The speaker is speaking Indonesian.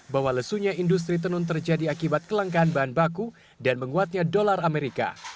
bahwa lesunya industri tenun terjadi akibat kelangkaan bahan baku dan menguatnya dolar amerika